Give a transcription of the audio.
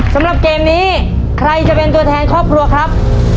สำหรับเกมนี้ใครจะเป็นตัวแทนครอบครัวครับ